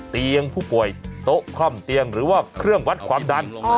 เตียงผู้ป่วยโต๊ะคล่อมเตียงหรือว่าเครื่องวัดความดัน